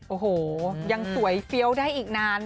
โอ้โหยังสวยเฟี้ยวได้อีกนาน